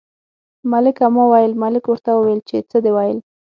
ملکه ما ویل، ملک ورته وویل چې څه دې ویل.